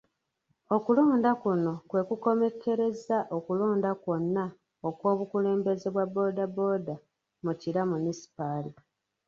Okulonda kuno kwe kukomekkerezza okulonda kwonna okw'obukulembeze bwa bbooda bbooda mu Kira Munisipaali.